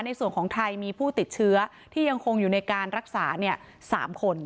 ในส่วนของไทยมีผู้ติดเชื้อที่ยังคงอยู่ในการรักษา๓คน